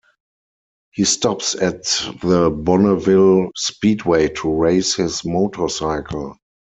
He stops at the Bonneville Speedway to race his motorcycle.